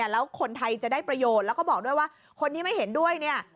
แล้วคนไทยจะได้ประโยชน์แล้วก็บอกด้วยว่าคนที่ไม่เห็นด้วยเนี่ย